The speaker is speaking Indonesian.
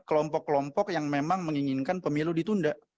kelompok kelompok yang memang menginginkan pemilu ditunda